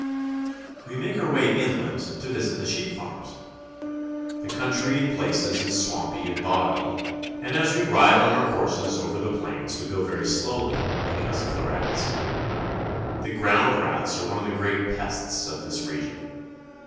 We make our way inland to visit the sheep farms. The country in places is swampy and boggy, and as we ride on our horses over the plains we go very slowly because of the rats. The ground rats are one of the great pests of this region.